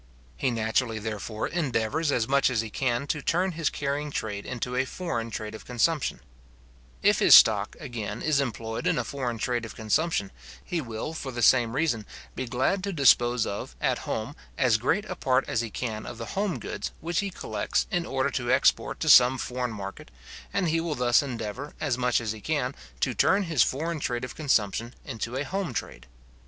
He naturally, therefore, endeavours as much as he can to turn his carrying trade into a foreign trade of consumption, If his stock, again, is employed in a foreign trade of consumption, he will, for the same reason, be glad to dispose of, at home, as great a part as he can of the home goods which he collects in order to export to some foreign market, and he will thus endeavour, as much as he can, to turn his foreign trade of consumption into a home trade.